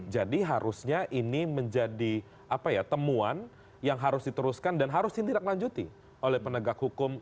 jadi harusnya ini menjadi temuan yang harus diteruskan dan harus ditindaklanjuti oleh penegak hukum